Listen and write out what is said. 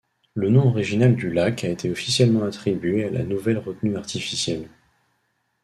Le nom original du lac a été officiellement attribué à la nouvelle retenue artificielle.